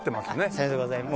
さようでございます。